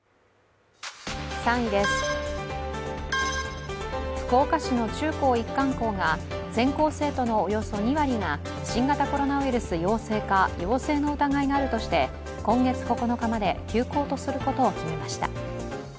３位です、福岡市の中高一貫校が全校生徒のおよそ２割が新型コロナウイルス陽性か陽性の疑いがあるとして今月９日まで休校とすることを決めました。